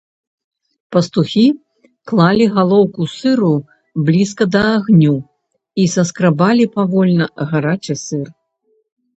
Пастухі клалі галоўку сыру блізка да агню і саскрабалі павольна гарачы сыр.